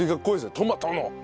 トマトの。